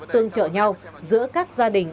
tương trợ nhau giữa các gia đình